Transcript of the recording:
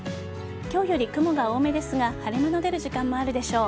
今日より雲が多めですが晴れ間の出る時間もあるでしょう。